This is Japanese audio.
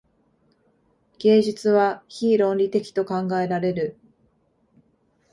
芸術は非論理的と考えられる。